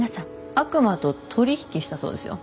悪魔と取引したそうですよ